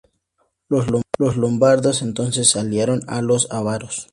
Los lombardos entonces se aliaron a los ávaros.